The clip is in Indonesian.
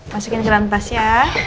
masukin ke dalam tas ya